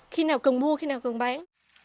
khi nào cần mua khi nào cần bán